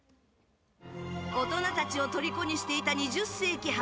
大人たちをとりこにしていた「２０世紀博」。